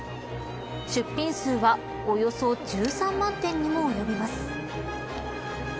出品数はおよそ１３万点にも及びます。